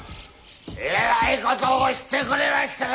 えらいことをしてくれましたな！